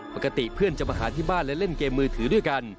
ปกติเพื่อนจะมาหาที่บ้านและเล่นเกมมือถือด้วยกัน